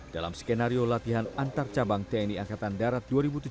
dalam skenario latihan antar cabang tni angkatan darat dua ribu tujuh belas